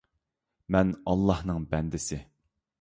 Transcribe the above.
مەن ئاللاھنىڭ بەندىسى